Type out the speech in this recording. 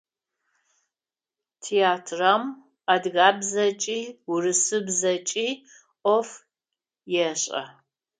Театрам адыгабзэкӏи урысыбзэкӏи ӏоф ешӏэ.